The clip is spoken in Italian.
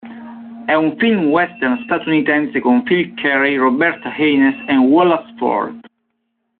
È un film western statunitense con Philip Carey, Roberta Haynes e Wallace Ford.